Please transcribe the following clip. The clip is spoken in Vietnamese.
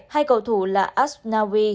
hai cầu thủ là asnawi